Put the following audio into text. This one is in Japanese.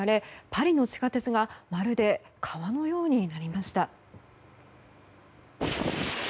パリの地下鉄がまるで川のようになりました。